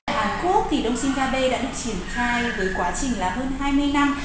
ở hàn quốc thì đông sinh gia bê đã được triển khai với quá trình là hơn hai mươi năm